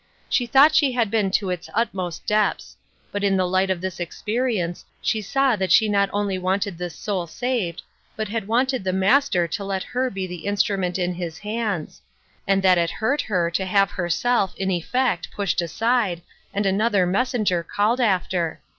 She thought she had been to its utmost depths ; but in the light of this experience she saw that she had not only wanted this soul saved, but had wanted the Master to let her be the instrument in His hands ; and that it hurt her to have herself, in effect, pushed aside, and another messenger called after.